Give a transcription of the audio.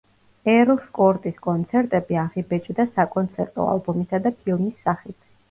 ერლს კორტის კონცერტები აღიბეჭდა საკონცერტო ალბომისა და ფილმის სახით.